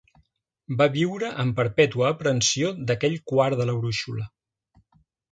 Va viure en perpetua aprensió d'aquell quart de la brúixola.